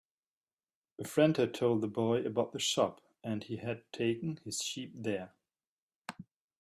A friend had told the boy about the shop, and he had taken his sheep there.